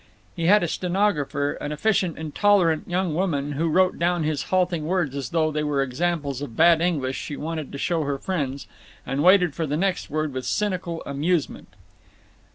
He had a stenographer, an efficient intolerant young woman who wrote down his halting words as though they were examples of bad English she wanted to show her friends, and waited for the next word with cynical amusement.